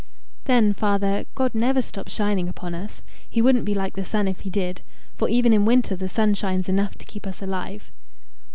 "Then, father, God never stops shining upon us. He wouldn't be like the sun if he did. For even in winter the sun shines enough to keep us alive."